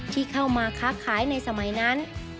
ที่เข้ามาค้าขายในสมัยนั้น